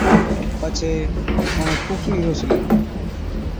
پڇي اُڻهين ڪُوڪڙِي روسلِي،